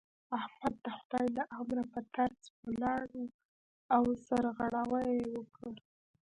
احمد د خدای له امره په ترڅ ولاړ او سرغړاوی يې وکړ.